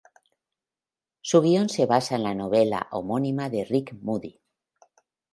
Su guión se basa en la novela homónima de Rick Moody.